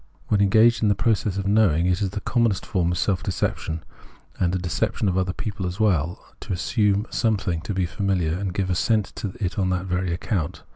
When engaged in the process of knowing, it is the commonest form of self deception, and a deception of other people as well, to assume something to be famihar, and give assent to it on that very account.